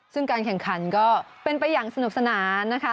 ซึ่งการแข่งขันก็เป็นไปอย่างสนุกสนานนะคะ